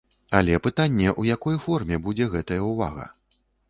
Але пытанне, у якой форме будзе гэтая ўвага.